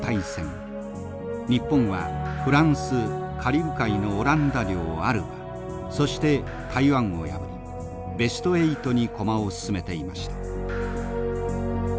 日本はフランスカリブ海のオランダ領アルバそして台湾を破りベスト８に駒を進めていました。